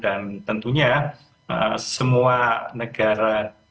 dan tentunya semua negara